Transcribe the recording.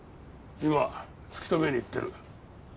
今突き止めに行ってる。